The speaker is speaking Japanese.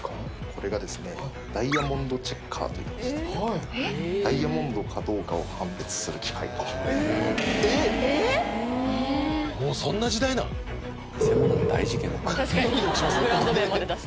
これがですねダイヤモンドチェッカーといいましてダイヤモンドかどうかを判別する機械ドキドキしますね